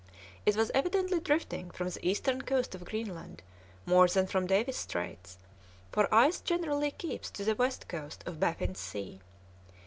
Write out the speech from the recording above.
It was evidently drifting from the eastern coast of Greenland more than from Davis's Straits, for ice generally keeps to the west coast of Baffin's Sea.